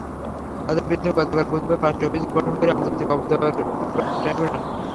তাঁদের বিরুদ্ধে গতকাল বুধবার পাঁচটি অভিযোগ গঠন করেছেন আন্তর্জাতিক অপরাধ ট্রাইব্যুনাল।